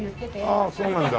ああそうなんだ。